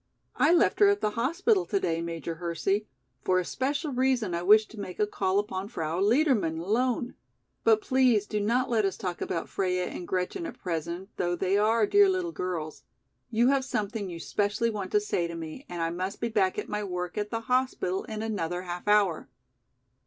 "I left her at the hospital today, Major Hersey; for a special reason I wished to make a call upon Frau Liedermann alone. But please do not let us talk about Freia and Gretchen at present though they are dear little girls. You have something you specially want to say to me and I must be back at my work at the hospital in another half hour."